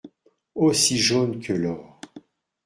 Aussi jaune que l’or.